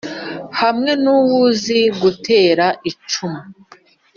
hamwe nuwuzi gutera icumu